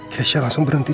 kek syah langsung berhenti